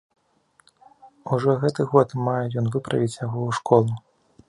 Ужо гэты год мае ён выправіць яго ў школу.